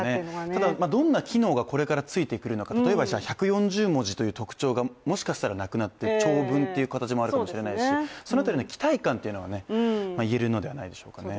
ただ、どんな機能がこれからついてくるのか例えば１４０文字という特徴がもしかしたらなくなって長文という形もあるかもしれないしその辺りの期待感というのは言えるのではないでしょうかね。